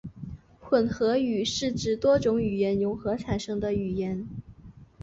混合语是指多种语言融合产生的语言。